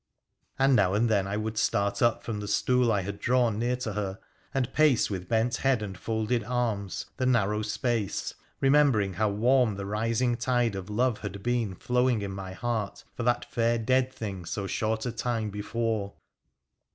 And now and then I would start up from the stool I had drawn near to her, and pace, with bent head and folded arms, the narrow space, remembering how warm the rising tide of love had been flowing in my heart for that fair dead thing so short a time before.